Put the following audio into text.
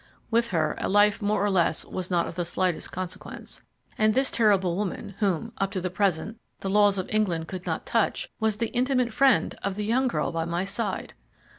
With her a life more or less was not of the slightest consequence. And this terrible woman, whom, up to the present, the laws of England could not touch, was the intimate friend of the young girl by my side!